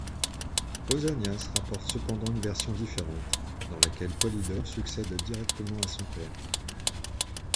Pausanias rapporte cependant une version différente, dans laquelle Polydore succède directement à son père.